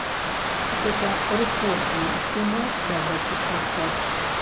Гэта рэкордная сума для графічных прац.